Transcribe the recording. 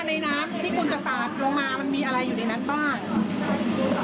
ในน้ำที่คุณจะสาดลงมามันมีอะไรอยู่ในนั้นบ้าง